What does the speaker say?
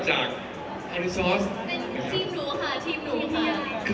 เสียงปลดมือจังกัน